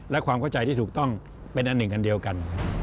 และความเข้าใจที่ถูกต้องเป็นอันหนึ่งอันเดียวกัน